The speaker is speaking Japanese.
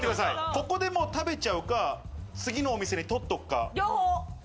ここで食べちゃうか、次のお店にとっとくか。